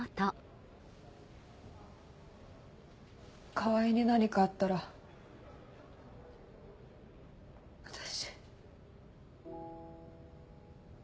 川合に何かあったら私。